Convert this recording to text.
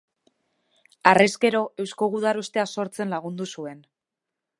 Harrezkero, Eusko Gudarostea sortzen lagundu zuen.